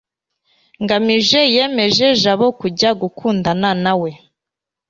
ngamije yemeje jabo kujya gukundana nawe